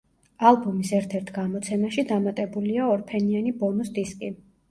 ალბომის ერთ-ერთ გამოცემაში დამატებულია ორფენიანი ბონუს დისკი.